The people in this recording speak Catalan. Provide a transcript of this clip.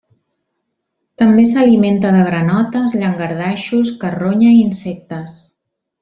També s'alimenta de granotes, llangardaixos, carronya i insectes.